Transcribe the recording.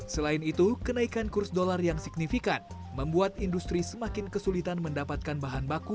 selain itu kenaikan kurs dolar yang signifikan membuat industri semakin kesulitan mendapatkan bahan baku